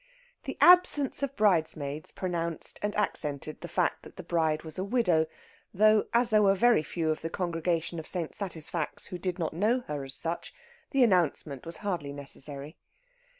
The absence of bridesmaids pronounced and accented the fact that the bride was a widow, though, as there were very few of the congregation of St. Satisfax who did not know her as such, the announcement was hardly necessary.